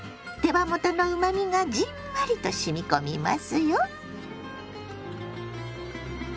手羽元のうまみがじんわりとしみ込みますよ。